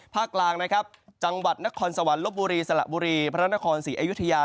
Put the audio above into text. กลางนะครับจังหวัดนครสวรรค์ลบบุรีสละบุรีพระนครศรีอยุธยา